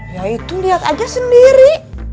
ya itu lihat aja sendiri